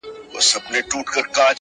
موږ یو چي د دې په سر کي شور وینو!.